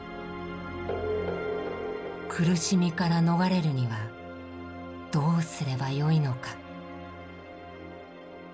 「苦しみから逃れるにはどうすればよいのか」。